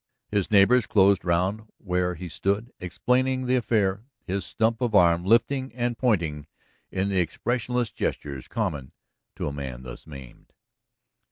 His neighbors closed round where he stood explaining the affair, his stump of arm lifting and pointing in the expressionless gestures common to a man thus maimed.